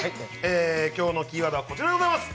今日のキーワードはこちらでございます。